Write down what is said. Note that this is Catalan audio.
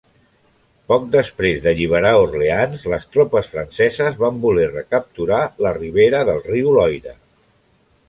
Poc després d'alliberar Orleans, les tropes franceses van voler recapturar la ribera del riu Loira.